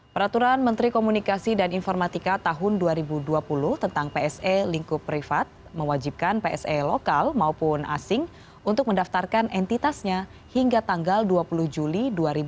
peraturan menteri komunikasi dan informatika tahun dua ribu dua puluh tentang pse lingkup privat mewajibkan pse lokal maupun asing untuk mendaftarkan entitasnya hingga tanggal dua puluh juli dua ribu dua puluh